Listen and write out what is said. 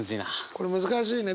これ難しいね。